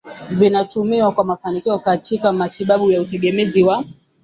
vinatumiwa kwa mafanikio katika matibabu ya utegemezi wa